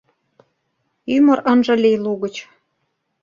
Ӱмыр ынже лий лугыч